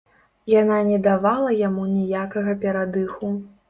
Яна не давала яму ніякага перадыху.